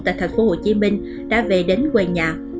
tại tp hcm đã về đến quê nhà